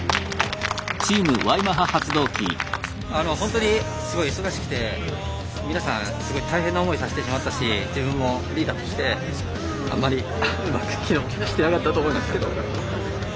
ホントにすごい忙しくて皆さんすごい大変な思いさせてしまったし自分もリーダーとしてあんまりうまく機能してなかったと思いますけど。